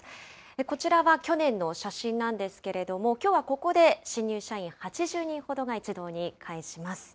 こちらは去年の写真なんですけれども、きょうはここで新入社員８０人ほどが一堂に会します。